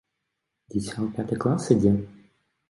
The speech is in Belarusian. Дзіця ў пяты клас ідзе?